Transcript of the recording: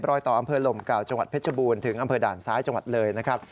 รอยต่ออำเภอลมเก่าจังหวัดเพชรบูรณ์ถึงอำเภอด่านซ้ายจังหวัดเลยนะครับ